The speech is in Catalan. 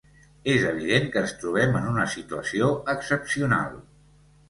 És evident que ens trobem en una situació excepcional.